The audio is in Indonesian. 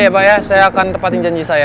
iya pak saya akan tepatin janji saya